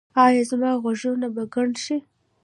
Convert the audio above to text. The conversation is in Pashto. ایا زما غوږونه به کڼ شي؟